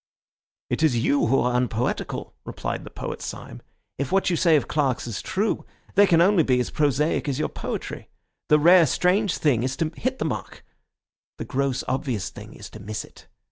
"It is you who are unpoetical," replied the poet Syme. "If what you say of clerks is true, they can only be as prosaic as your poetry. The rare, strange thing is to hit the mark; the gross, obvious thing is to miss it.